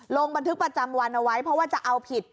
ลงบันทึกประจำวันเอาไว้เพราะว่าจะเอาผิด